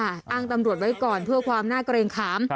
อ้างตำรวจไว้ก่อนเพื่อความน่าเกรงขาม